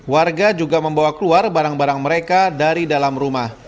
warga juga membawa keluar barang barang mereka dari dalam rumah